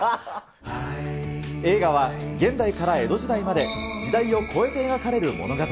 映画は、現代から江戸時代まで、時代を超えて描かれる物語。